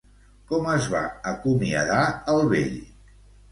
Com es va acomiadar el vell?